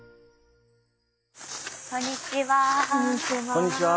こんにちは。